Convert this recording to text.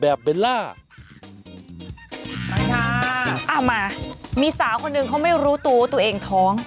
เบลล่าเอามามีสาวคนหนึ่งเขาไม่รู้ตัวว่าตัวเองท้อง